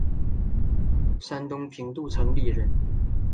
山东平度城里人。